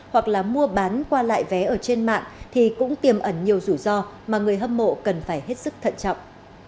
hoặc là mua bán qua lại vé ở trên mạng thì cũng tiềm ẩn nhiều rủi ro mà người hâm mộ cần phải hết sức thận trọng